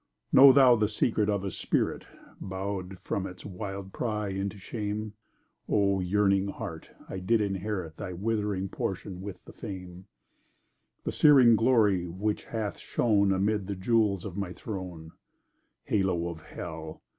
Know thou the secret of a spirit Bow'd from its wild pride into shame. O! yearning heart! I did inherit Thy withering portion with the fame, The searing glory which hath shone Amid the jewels of my throne, Halo of Hell!